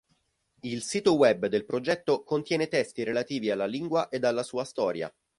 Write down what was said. Il sito web del progetto contiene testi relativi alla lingua ed alla sua storia.